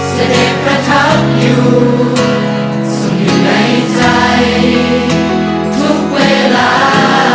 เสด็จประทับอยู่สุดในใจทุกเวลา